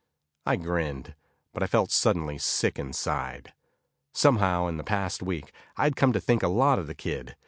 I grinned, but I felt suddenly sick inside. Somehow, in the past week, I had come to think a lot of the kid.